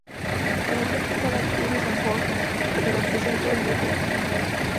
En el jefe está la Cruz de San Jorge, que representa a Inglaterra.